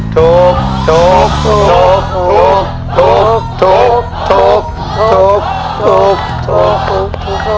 ถูกถูกถูกถูกถูกถูกถูกถูกถูกถูกถูกถูกถูก